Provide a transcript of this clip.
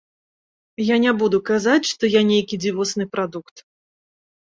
Я не буду казаць, што я нейкі дзівосны прадукт.